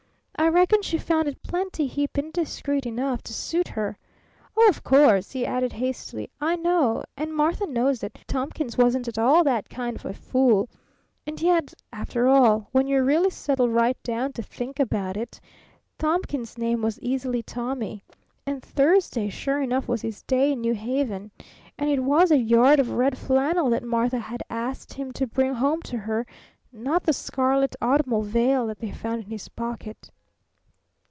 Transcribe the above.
I reckon she found it plenty heap indiscreet enough to suit her. Oh, of course," he added hastily, "I know, and Martha knows that Thomkins wasn't at all that kind of a fool. And yet, after all when you really settle right down to think about it, Thomkins' name was easily 'Tommy,' and Thursday sure enough was his day in New Haven, and it was a yard of red flannel that Martha had asked him to bring home to her not the scarlet automobile veil that they found in his pocket.